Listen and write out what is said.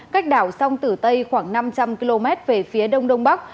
cách đảo sông tử tây khoảng năm trăm linh km về phía đông đông bắc